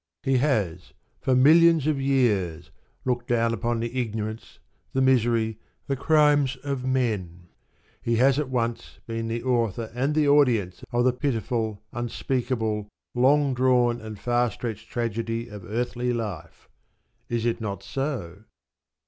He has for millions of years looked down upon the ignorance, the misery, the crimes of men. He has been at once the author and the audience of the pitiful, unspeakable, long drawn and far stretched tragedy of earthly life. Is it not so?